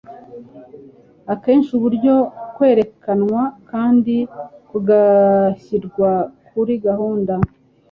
Akenshi uburyo kwerekanwa kandi kugashyirwa kuri gahunda